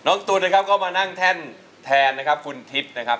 ตุ๋นนะครับก็มานั่งแท่นแทนนะครับคุณทิพย์นะครับ